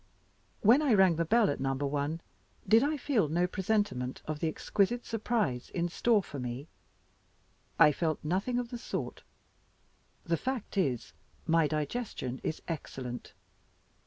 When I rang the bell at No. 1, did I feel no presentiment of the exquisite surprise in store for me? I felt nothing of the sort. The fact is, my digestion is excellent.